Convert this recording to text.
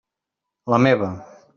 La meva.